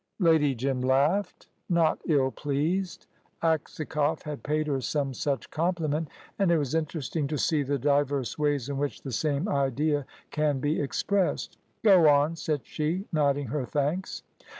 Lady Jim laughed, not ill pleased. Aksakoff had paid her some such compliment, and it was interesting to see the diverse ways in which the same idea can be expressed. "Go on," said she, nodding her thanks.